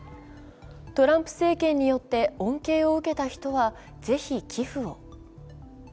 トランプ政権によって恩恵を受けた人はぜひ、寄付を。